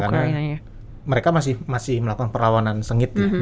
karena mereka masih melakukan perlawanan sengit ya